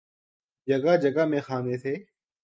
جگہ جگہ میخانے تھے۔